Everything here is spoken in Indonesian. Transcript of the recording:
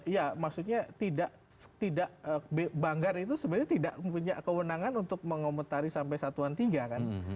ya maksudnya tidak banggar itu sebenarnya tidak punya kewenangan untuk mengomentari sampai satuan tiga kan